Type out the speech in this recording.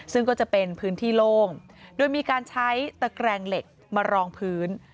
ซึ่งก็จะเป็นพื้นที่โล่งโดยมีการใช้ตะแกรงเหล็กมารองพื้น